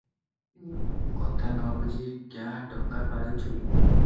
କଥା ନ ବୁଝି କ୍ୟାଁ ଡକା ପାରୁଛୁ?